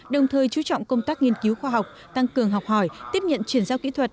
đồng thời chú trọng công tác nghiên cứu khoa học tăng cường học hỏi tiếp nhận chuyển giao kỹ thuật